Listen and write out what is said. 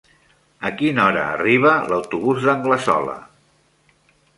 A quina hora arriba l'autobús d'Anglesola?